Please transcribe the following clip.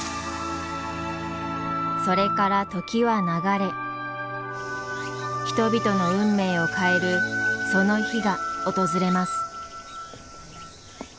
それから時は流れ人々の運命を変えるその日が訪れます。